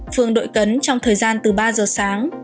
phường đội cấn trong thời gian từ ba giờ sáng